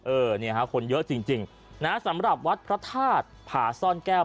เออเนี่ยฮะคนเยอะจริงนะสำหรับวัดพระธาตุผาซ่อนแก้ว